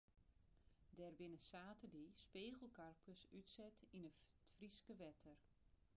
Der binne saterdei spegelkarpers útset yn it Fryske wetter.